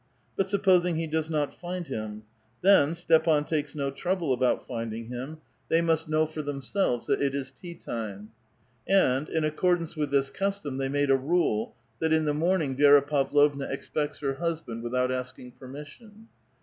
But supposing he does not find him? Then Stepan takes no trouble about finding him ; they must know A VITAL QUESTION. 859 for tbemselves that it is tea time. And, in accordance with this custom they made a rule, that in the raorniug Vi6ra Pavlovna expects her husband without asking permission.